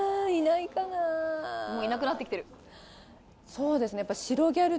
そうですね